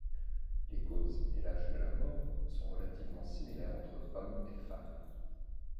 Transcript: Les causes et l'âge de la mort sont relativement similaires entre hommes et femmes.